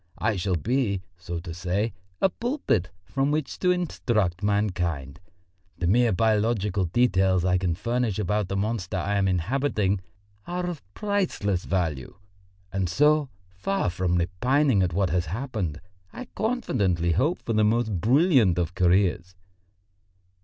I shall be, so to say, a pulpit from which to instruct mankind. The mere biological details I can furnish about the monster I am inhabiting are of priceless value. And so, far from repining at what has happened, I confidently hope for the most brilliant of careers."